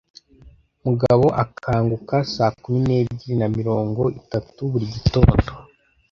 Mugabo akanguka saa kumi n'ebyiri na mirongo itatu buri gitondo.